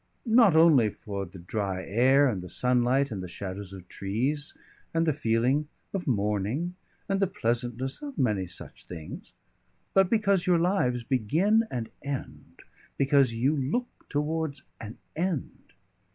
Not only for the dry air and the sunlight, and the shadows of trees, and the feeling of morning, and the pleasantness of many such things, but because your lives begin and end because you look towards an end."